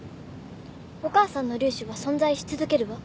お母さんの粒子は存在し続けるわ